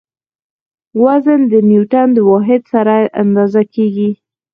وزن د نیوټڼ د واحد سره اندازه کیږي.